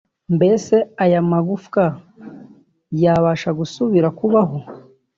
mbese aya magufwa yabasha gusubira kubaho